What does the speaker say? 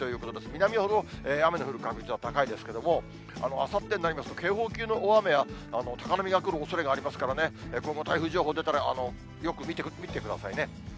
南ほど雨の降る確率は高いですけれども、あさってになりますと、警報級の大雨や高波が来るおそれがありますからね、今後、台風情報出たら、よく見てくださいね。